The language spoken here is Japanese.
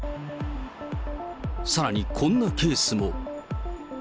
さらにこんなケースも。